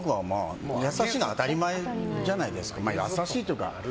優しいのは当たり前じゃないですか。